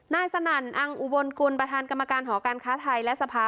สนั่นอังอุบลกุลประธานกรรมการหอการค้าไทยและสภา